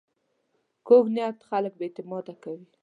کوږ نیت خلک بې اعتماده کوي